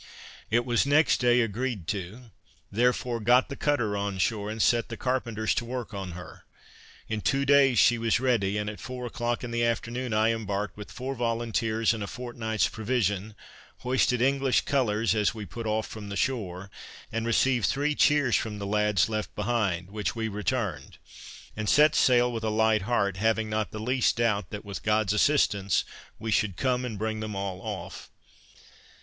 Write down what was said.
It was, next day, agreed to; therefore got the cutter on shore, and set the carpenters to work on her; in two days she was ready, and at four o'clock in the afternoon I embarked with four volunteers and a fortnight's provision, hoisted English colors as we put off from the shore, and received three cheers from the lads left behind, which we returned, and set sail with a light heart; having not the least doubt, that, with God's assistance, we should come and bring them all off.